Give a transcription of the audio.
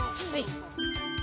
はい。